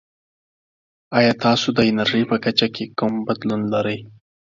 ایا تاسو د انرژي په کچه کې کوم بدلون لرئ؟